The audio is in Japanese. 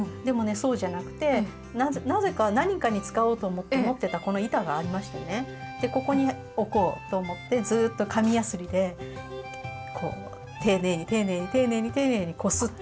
そうじゃなくてなぜか何かに使おうと思って持ってたこの板がありましてねでここに置こうと思ってずっと紙やすりでこう丁寧に丁寧に丁寧に丁寧にこすって。